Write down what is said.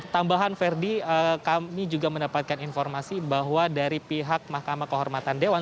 tambahan verdi kami juga mendapatkan informasi bahwa dari pihak mahkamah kehormatan dewan